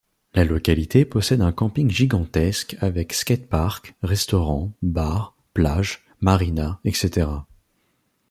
La localité possède un camping gigantesque avec skate park, restaurant, bar, plage, marina, etc.